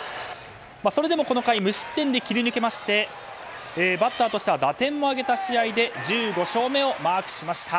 それでもこの回無失点で切り抜けましてバッターとしては打点も挙げた試合で１５勝目をマークしました。